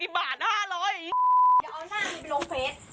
เดี๋ยวเอาหน้านี้ไปลงเฟส